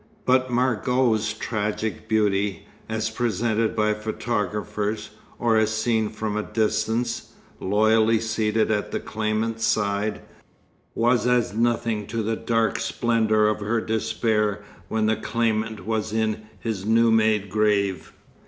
But Margot's tragic beauty, as presented by photographers, or as seen from a distance, loyally seated at the claimant's side, was as nothing to the dark splendour of her despair when the claimant was in his new made grave.